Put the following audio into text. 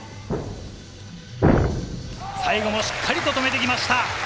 最後もしっかり止めてきました。